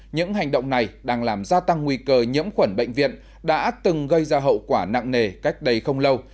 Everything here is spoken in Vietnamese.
những hành động này đang làm gia tăng nguy cơ nhiễm khuẩn bệnh viện đã từng gây ra hậu quả nặng nề cách đây không lâu